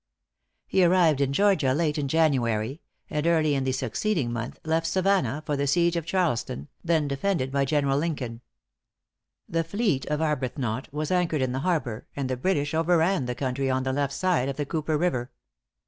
He arrived in Georgia late in January, and early in the succeeding month left Savannah for the siege of Charleston, then defended by General Lincoln. The fleet of Arbuthnot was anchored in the harbor, and the British overran the country on the left side of the Cooper river.